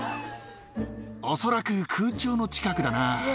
恐らく空調の近くだな。